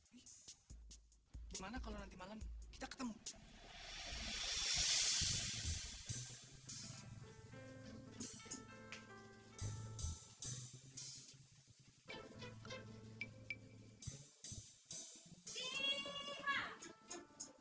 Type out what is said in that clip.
gimana kalau nanti malam kita ketemu